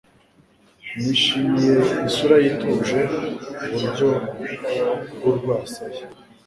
Nishimiye isura ye ituje, uburyo bw'urwasaya,